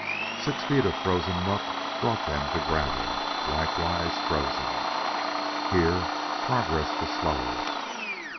Six feet of frozen muck brought them to gravel, likewise frozen. Here progress was slower.